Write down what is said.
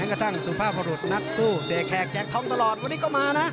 กระทั่งสุภาพบรุษนักสู้เสียแขกแจกทองตลอดวันนี้ก็มานะ